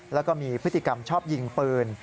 แล้วก็มีพฤติกรรมชอบยิงปืน